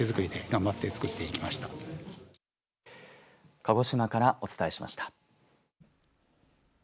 鹿児島からお伝えしました。